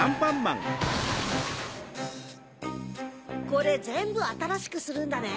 これぜんぶあたらしくするんだね？